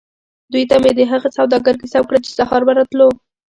دوی ته مې د هغه سوداګر کیسه وکړه چې سهار به راتلو.